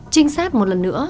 trinh sát một lần nữa